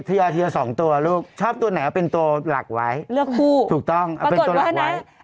ทีละสองตัวลูกชอบตัวไหนเอาเป็นตัวหลักไว้เลือกคู่ถูกต้องเอาเป็นตัวหลักไว้